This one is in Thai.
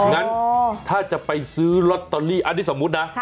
อย่างงั้นถ้าจะไปซื้อลอตเตอรี่นี่สมมตินะ